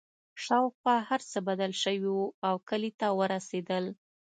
شاوخوا هرڅه بدل شوي وو او کلي ته ورسېدل